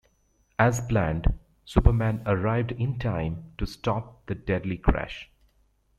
As planned, Superman arrived in time to stop the deadly crash.